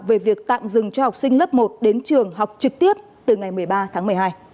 về việc tạm dừng cho học sinh lớp một đến trường học trực tiếp từ ngày một mươi ba tháng một mươi hai